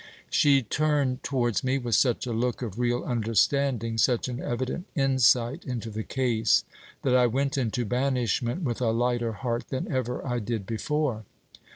She turned towards me with such a look of real understanding, such an evident insight into the case, that I went into banishment with a lighter heart than ever I did before.